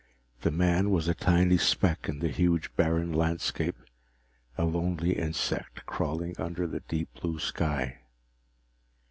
The man was a tiny speck in the huge barren landscape, a lonely insect crawling under the deep blue sky.